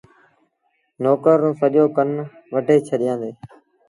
نوڪر رو سڄو ڪن وڍي ڇڏيآندي۔